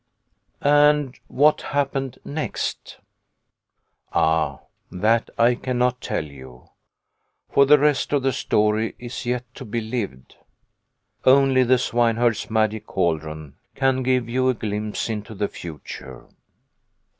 " AND what happened next ?" Ah, that I cannot tell you, for the rest of the story is yet to be lived. Only the swineherd's magic cal dron can give you a glimpse into the future.